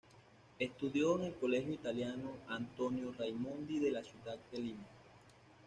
Estudió en el Colegio Italiano Antonio Raimondi de la ciudad de Lima.